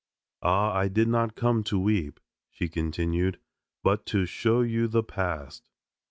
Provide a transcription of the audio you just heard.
"Ah! I did not come to weep," she continued, "but to show you the past."